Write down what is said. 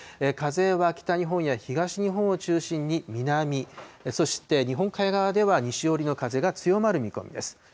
風は北日本や東日本を中心に南、そして日本海側では西寄りの風が強まる見込みです。